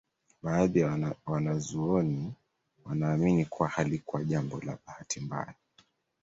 Baadhi ya wanazuoni wanaamini kuwa halikuwa jambo la bahati mbaya